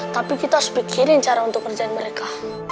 tapi kita harus pikirin cara untuk kerjain mereka